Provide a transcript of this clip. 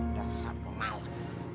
udah satpam males